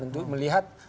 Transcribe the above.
untuk melihat bencana